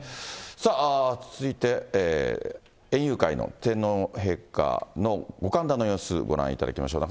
では、続いて園遊会の天皇陛下のご歓談の様子、ご覧いただきましょうか。